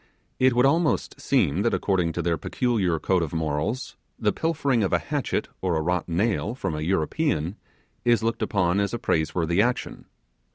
It would almost seem that, according to their peculiar code of morals, the pilfering of a hatchet or a wrought nail from a European, is looked upon as a praiseworthy action.